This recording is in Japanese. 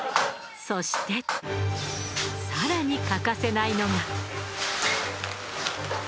そして更に欠かせないのが。